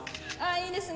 いいですね。